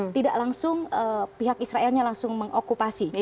tidak langsung pihak israelnya langsung mengokupasi